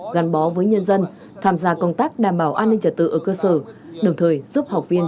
gắn bó với nhân dân tham gia công tác đảm bảo an ninh trật tự ở cơ sở đồng thời giúp học viên